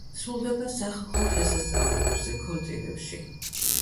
სრულდება სახალხო დღესასწაულებზე, ქორწილებში.